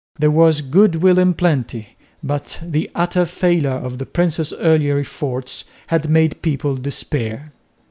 There was goodwill in plenty, but the utter failure of the prince's earlier efforts had made people despair.